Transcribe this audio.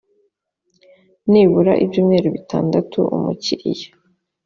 nibura ibyumweru bitandatu umukiriya